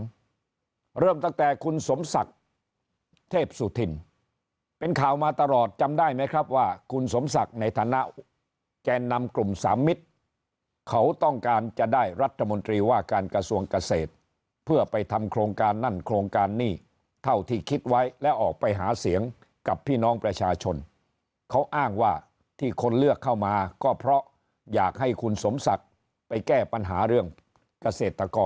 เริ่มตั้งแต่คุณสมศักดิ์เทพสุธินเป็นข่าวมาตลอดจำได้ไหมครับว่าคุณสมศักดิ์ในฐานะแกนนำกลุ่มสามมิตรเขาต้องการจะได้รัฐมนตรีว่าการกระทรวงเกษตรเพื่อไปทำโครงการนั่นโครงการนี่เท่าที่คิดไว้และออกไปหาเสียงกับพี่น้องประชาชนเขาอ้างว่าที่คนเลือกเข้ามาก็เพราะอยากให้คุณสมศักดิ์ไปแก้ปัญหาเรื่องเกษตรกร